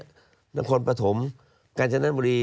ทางคนปฐมกาญจนัดบุรี